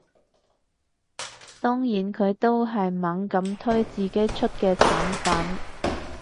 當然佢都係猛咁推自己出嘅產品